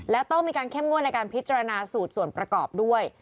และต้องมีการเข้มงวดในการพิจารณาสูตรส่วนประกอบด้วย